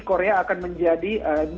korea akan menjadi